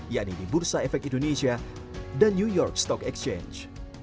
yakni di bursa efek indonesia dan new york stock exchange